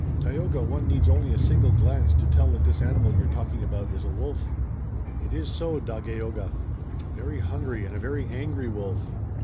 "Tayoga, one needs only a single glance to tell that this animal you're talking about is a wolf." "It is so, Dagaeoga. A very hungry and a very angry wolf.